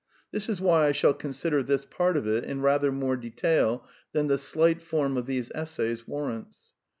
This is why I shall consider this part of it in rather more detail than the slight form of these essays warrants.